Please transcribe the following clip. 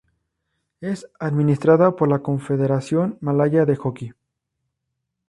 Es administrada por la Confederación Malaya de Hockey.